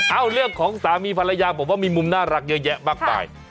เอาเรื่องของสามีภรรยาผมว่ามีมุมน่ารักเยอะแยะมากมาย